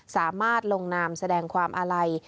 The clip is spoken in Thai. สามารถลงนามแสดงความอาลัย